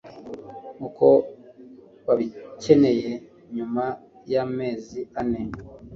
uko babikeneye. nyuma y'amezi ane